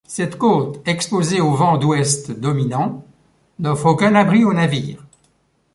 Cette côte exposée aux vents d'ouest dominants, n'offre aucun abri aux navires.